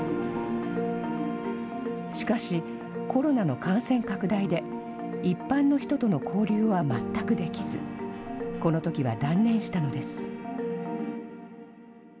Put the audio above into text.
しかし、コロナの感染拡大で、一般の人との交流は全くできず、このときは断念したのです。